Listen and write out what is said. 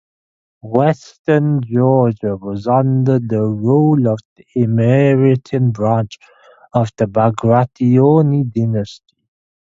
Western Georgia was under the rule of the Imeretian branch of the Bagrationi dynasty.